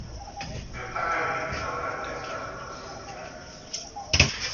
Gertakaririk ez aurreratzea eskatu du presidenteak.